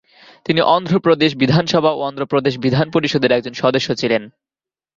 তিনি অন্ধ্র প্রদেশ বিধানসভা ও অন্ধ্র প্রদেশ বিধান পরিষদের একজন সদস্য ছিলেন।